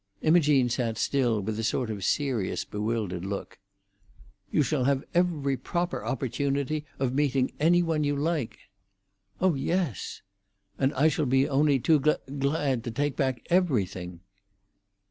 Imogene sat still, with a sort of serious, bewildered look. "You shall have every proper opportunity of meeting any one you like." "Oh yes." "And I shall be only too gl glad to take back everything!"